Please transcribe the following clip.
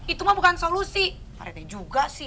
itu mah bukan solusi pak rete juga sih